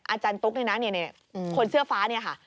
อาจารย์ตุ๊กนี่นะคนเสื้อฟ้าเนี่ยค่ะ